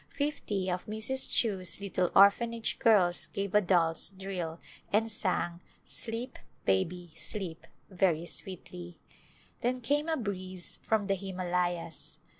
Fifty of Mrs. Chew's little Orphanage girls gave a doll's drill, and sang " Sleep, baby, sleep " very sweetly. Then came a breeze from the Himalayas.